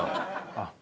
あっ。